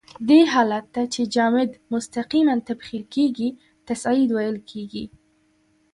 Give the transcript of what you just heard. دې حالت ته چې جامد مستقیماً تبخیر کیږي تصعید ویل کیږي.